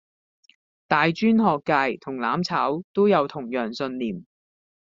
大專學界同攬炒都有同樣信念